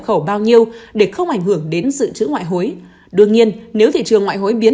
khẩu bao nhiêu để không ảnh hưởng đến dự trữ ngoại hối đương nhiên nếu thị trường ngoại hối biến